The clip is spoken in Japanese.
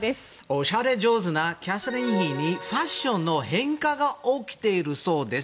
おしゃれ上手なキャサリン妃に、ファッションの変化が起きているそうです。